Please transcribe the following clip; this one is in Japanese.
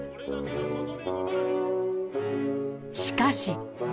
しかし。